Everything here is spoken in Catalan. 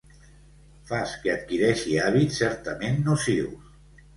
Fas que adquireixi hàbits certament nocius.